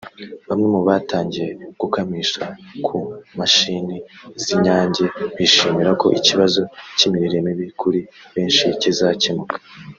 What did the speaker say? Bamwe mu batangiye gukamisha ku mashini z’Inyange bishimira ko ikibazo cy’imirire mibi kuri benshi kizakemuka